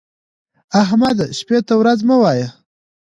احمده! شپې ته ورځ مه وايه.